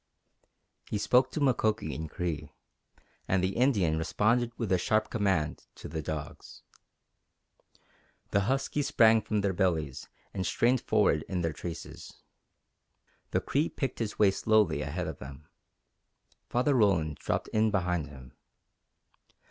He spoke to Mukoki in Cree, and the Indian responded with a sharp command to the dogs. The huskies sprang from their bellies and strained forward in their traces. The Cree picked his way slowly ahead of them. Father Roland dropped in behind him.